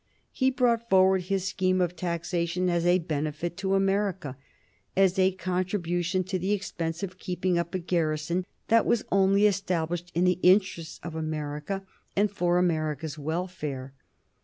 He brought forward his scheme of taxation as a benefit to America, as a contribution to the expense of keeping up a garrison that was only established in the interests of America and for America's welfare.